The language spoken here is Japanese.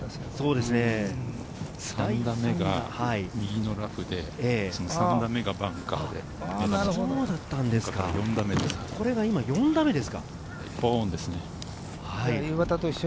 ２打目が右のラフで、３打目がバンカーで、４打目です。